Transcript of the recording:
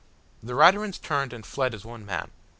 The Raturans turned and fled as one man.